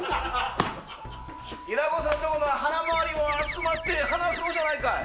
平子さんとこの腹回りに集まって、話そうじゃないかい。